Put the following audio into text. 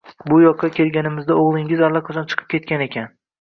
Bu yoqqa kelganimda o`g`lingiz allaqachon chiqib ketgan ekan